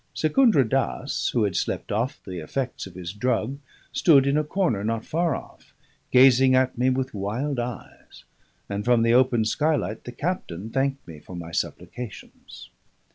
Secundra Dass, who had slept off the effects of his drug, stood in a corner not far off, gazing at me with wild eyes; and from the open skylight the captain thanked me for my supplications.